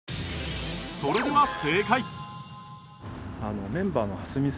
それでは正解